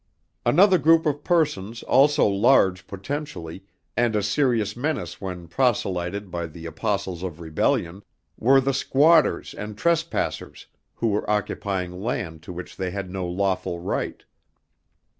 Another group of persons also large potentially and a serious menace when proselyted by the apostles of rebellion, were the squatters and trespassers who were occupying land to which they had no lawful right.